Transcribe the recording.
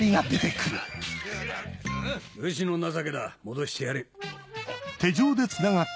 武士の情けだ戻してやれ。